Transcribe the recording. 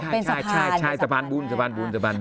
เป็นสะพานสะพานบุญสะพานบุญสะพานบุญ